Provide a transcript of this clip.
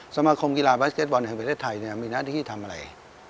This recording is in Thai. สมาคมกีฬาบาสเก็ตบอลแห่งประเทศไทยมีหน้าที่ทำอะไร